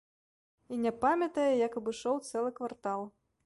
І не памятае, як абышоў цэлы квартал.